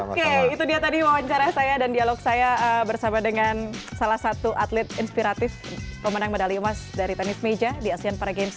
oke itu dia tadi wawancara saya dan dialog saya bersama dengan salah satu atlet inspiratif pemenang medali emas dari tenis meja di asean para games